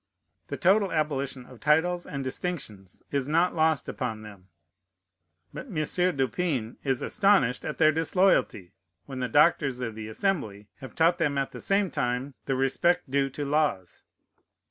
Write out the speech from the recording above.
The total abolition of titles and distinctions is not lost upon them. But M. du Pin is astonished at their disloyalty, when the doctors of the Assembly have taught them at the same time the respect due to laws.